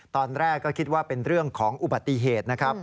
ตอนแรกก็คิดว่าเป็นเรื่องของอุบัติเหตุนะครับ